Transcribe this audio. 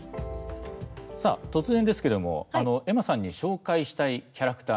さあ突然ですけれどもエマさんに紹介したいキャラクター？